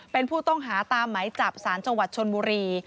เป็นผู้ต้องหาตามไหมจับสารจังหวัดชนบุรี